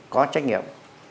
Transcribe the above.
có trách nhiệm